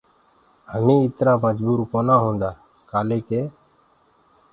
همينٚ اِترآ مجبور ڪونآ هوندآ ڪآلي ڪي